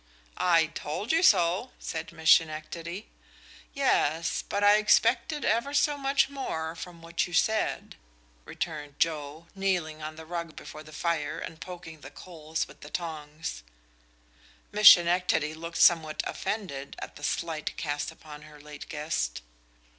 "I told you so," said Miss Schenectady. "Yes but I expected ever so much more from what you said," returned Joe, kneeling on the rug before the fire and poking the coals with the tongs. Miss Schenectady looked somewhat offended at the slight cast upon her late guest.